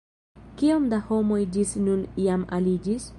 Kiom da homoj ĝis nun jam aliĝis?